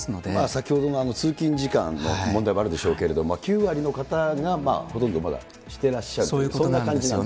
先ほども通勤時間の問題もあるでしょうけれども、９割の方が、ほとんどまだしてらっしゃるといそういうことなんですよね。